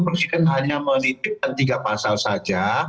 presiden hanya menitipkan tiga pasal saja